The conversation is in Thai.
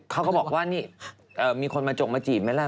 เขาก็บอกว่ามีคนมาจกมาจีบมั้ยแดน